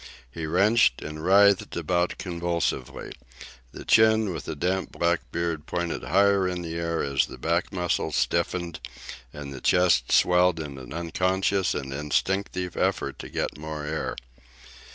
He wrenched and writhed about convulsively. The chin, with the damp black beard, pointed higher in the air as the back muscles stiffened and the chest swelled in an unconscious and instinctive effort to get more air.